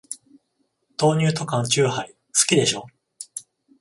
豆乳と缶チューハイ、好きでしょ。